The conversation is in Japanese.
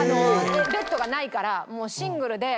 ベッドがないからもうシングルで。